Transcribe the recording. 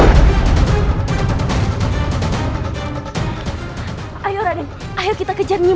baik raden hamba akan berusaha